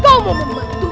kau mau membentuk